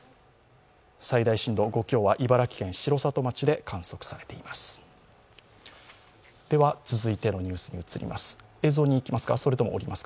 最大震度５強は茨城県城里町で観測されています。